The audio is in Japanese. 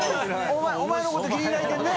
お前のこと気に入られてんね」